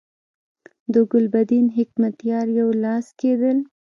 د ګلبدین حکمتیار یو لاس کېدل.